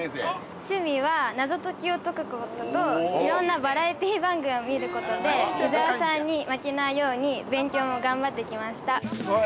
趣味は謎解きを解くことと、いろんなバラエティー番組を見ることで、伊沢さんに負けないように勉強も頑張ってきました。